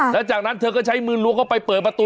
แล้วจากนั้นเธอก็ใช้มือล้วงเข้าไปเปิดประตู